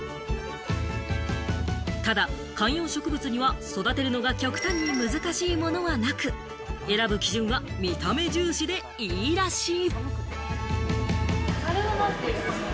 ただ観葉植物には育てるのが極端に難しいものはなく、選ぶ基準は見た目重視でいいらしい。